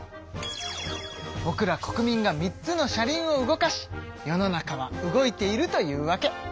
ぼくら国民が３つの車輪を動かし世の中は動いているというわけ。